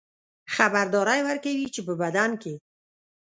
خبرداری ورکوي چې په بدن کې